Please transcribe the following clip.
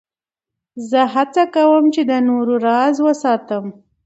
زه هڅه کوم، چي د نورو راز وساتم.